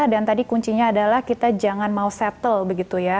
dan tadi kuncinya adalah kita jangan mau settle begitu ya